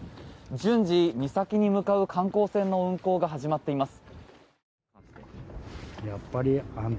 順次、岬に向かう観光船の運航が始まっています。